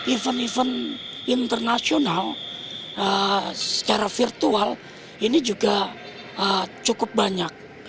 event event internasional secara virtual ini juga cukup banyak